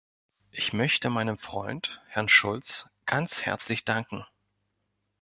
Ich möchte meinem Freund, Herrn Schulz, ganz herzlich danken.